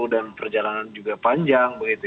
dan perjalanan juga panjang begitu ya